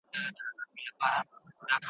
لوستې مور د ماشومانو د بدن پاکوالی ساتي.